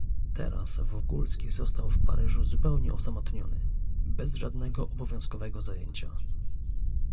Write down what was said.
"Teraz Wokulski został w Paryżu zupełnie osamotniony, bez żadnego obowiązkowego zajęcia."